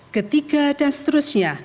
ketiga dan seterusnya